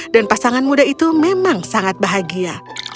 dan pasangan muda itu memang sangat bahagia